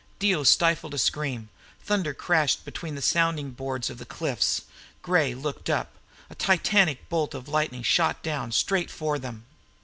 Dio stifled a scream. Thunder crashed between the sounding boards of the cliffs. Gray looked up. A titanic bolt of lightning shot down, straight for them.